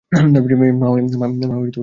মা, ইনি হলেন স্টিভেন।